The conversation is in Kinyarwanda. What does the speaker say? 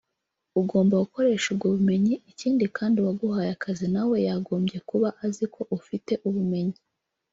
ugomba gukoresha ubwo bumenyi ikindi kandi uwaguhaye akazi na we yagombye kuba azi ko ufite ubumenyi